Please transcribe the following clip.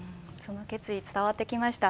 決意が伝わってきました。